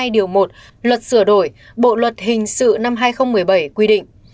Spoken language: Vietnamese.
hai điều một luật sửa đổi bộ luật hình sự năm hai nghìn một mươi bảy quy định